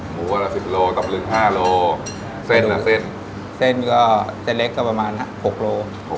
หมูวันละ๑๐โลต่อมา๕โล